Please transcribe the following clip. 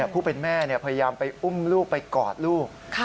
ผู้เป็นแม่พยายามไปอุ้มลูกไปกอดลูก